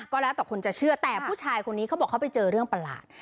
ก็แล้วแต่คนจะเชื่อแต่ผู้ชายคนนี้เขาบอกเขาไปเจอเรื่องประหลาด